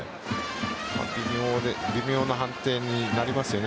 微妙な判定になりますよね。